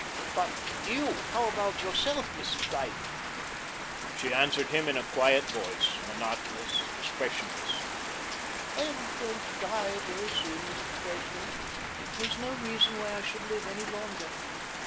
"But you, how about yourself, Mrs. Dyke?" She answered him in a quiet voice, monotonous, expressionless: "I am going to die very soon, Mr. Presley. There is no reason why I should live any longer.